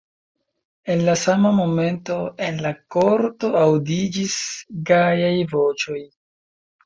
En la sama momento en la korto aŭdiĝis gajaj voĉoj.